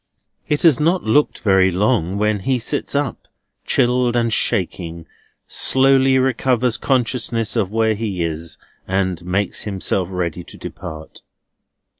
It has not looked very long, when he sits up, chilled and shaking, slowly recovers consciousness of where he is, and makes himself ready to depart.